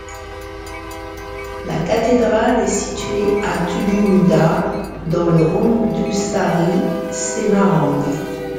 La cathédrale est située à Tugu Muda, dans Randusari, Semarang.